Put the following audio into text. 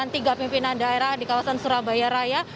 pemerintah gubernur kemudian tiga pimpinan daerah di kawasan surabaya raya